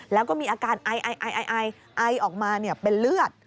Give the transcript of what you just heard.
แล้วก็มีอาการไอไอออกมาเป็นเลือด